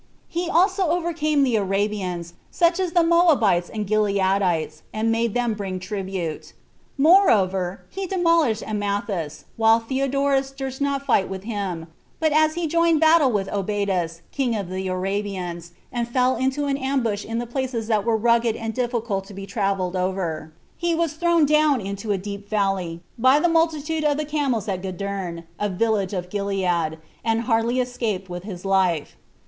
He also overcame the Arabians, such as the Moabites and Gileadites, and made them bring tribute. Moreover, he demolished Amathus, while Theodorus 39 durst not fight with him; but as he had joined battle with Obedas, king of the Arabians, and fell into an ambush in the places that were rugged and difficult to be traveled over, he was thrown down into a deep valley, by the multitude of the camels at Gadurn, a village of Gilead, and hardly escaped with his life.